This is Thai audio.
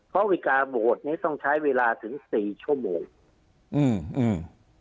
เพราะวิกาโหวตเนี้ยต้องใช้เวลาถึงสี่ชั่วโมงอืมอืม